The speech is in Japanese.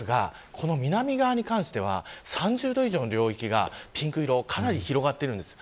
この南側に関しては３０度以上の領域がピンク色かなり広がっているんです。